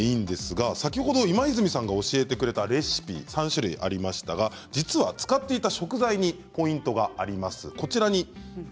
先ほど今泉さんが教えてくれたレシピ３種類ありましたが実は使っていた食材にポイントがありました。